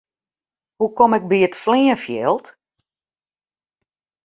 Hoe kom ik by it fleanfjild?